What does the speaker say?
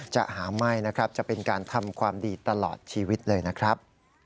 จะหาไม่นะครับจะเป็นการทำความดีตลอดชีวิตเลยนะครับ